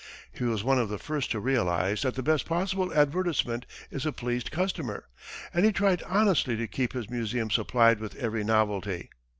He was one of the first to realize that the best possible advertisement is a pleased customer, and he tried honestly to keep his museum supplied with every novelty.